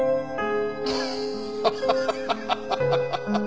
アハハハハハ。